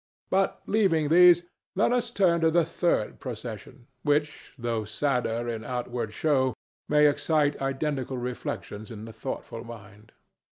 But, leaving these, let us turn to the third procession, which, though sadder in outward show, may excite identical reflections in the thoughtful mind.